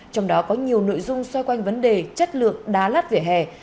trong đó có nhiều nội dung xoay quanh vấn đề chất lượng đá lát vỉa hè